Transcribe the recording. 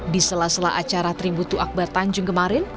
di sela sela acara tributu akbar tanjung kemarin